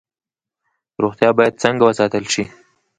روغتیا باید څنګه وساتل شي؟